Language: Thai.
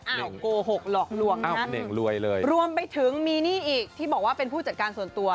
อ้าวโกหกหลอกลวกนะรวมไปถึงมีนี่อีกที่บอกว่าเป็นผู้จัดการส่วนตัว